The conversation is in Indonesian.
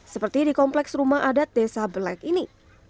seperti di kompleks rumah adat desa belek ini